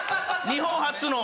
日本初の。